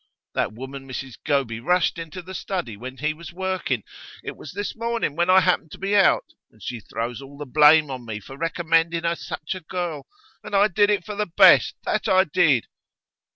That woman Mrs Goby rushed into the study when he was working; it was this morning, when I happened to be out. And she throws all the blame on me for recommending her such a girl. And I did it for the best, that I did!